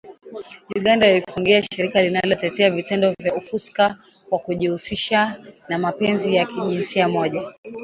Uganda yaifungia shirika linalo tetea vitendo vya ufuska kwa kujihusishanna mapenzi ya jinsia moja